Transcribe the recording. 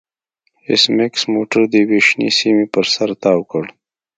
ایس میکس موټر د یوې شنې سیمې پر سر تاو کړ